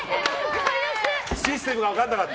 システム分からなかった？